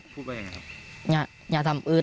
พูดกันเป็นอย่างไงครับ